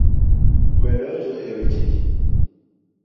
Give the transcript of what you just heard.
We donjo e weche ji.